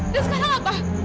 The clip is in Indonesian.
dan sekarang apa